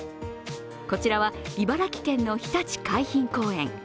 こちらは茨城県のひたち海浜公園。